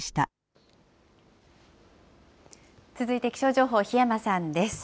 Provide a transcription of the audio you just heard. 続いて気象情報、檜山さんです。